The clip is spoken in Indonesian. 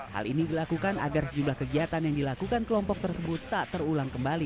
hal ini dilakukan agar sejumlah kegiatan yang dilakukan kelompok tersebut tak terulang kembali